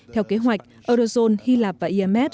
theo kế hoạch eurozone hy lạp và imf